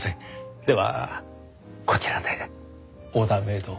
ではこちらでオーダーメイドを。